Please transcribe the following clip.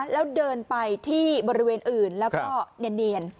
แล้วเดินไปที่บริเวณอื่นแล้วก็เนียน